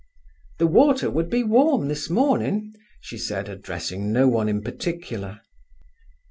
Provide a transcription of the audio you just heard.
"The water would be warm this morning," she said, addressing no one in particular.